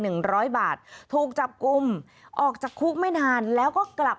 หนึ่งร้อยบาทถูกจับกลุ่มออกจากคุกไม่นานแล้วก็กลับ